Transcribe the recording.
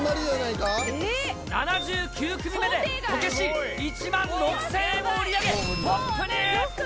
７９組目で、こけし１万６０００円を売り上げ、トップに。